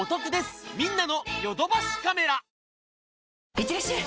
いってらっしゃい！